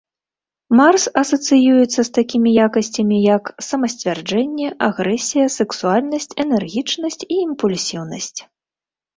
Марс асацыюецца з такімі якасцямі, як самасцвярджэнне, агрэсія, сексуальнасць, энергічнасць і імпульсіўнасць.